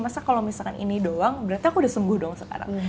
masa kalau misalkan ini doang berarti aku udah sembuh dong sekarang